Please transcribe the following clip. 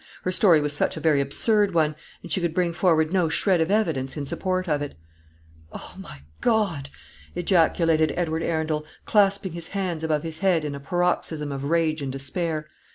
Her story was such a very absurd one, and she could bring forward no shred of evidence in support of it." "O my God!" ejaculated Edward Arundel, clasping his hands above his head in a paroxysm of rage and despair.